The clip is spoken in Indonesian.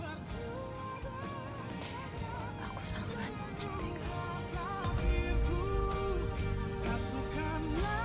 aku sangat senang mencintai kamu